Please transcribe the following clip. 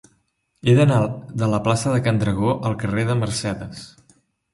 He d'anar de la plaça de Can Dragó al carrer de Mercedes.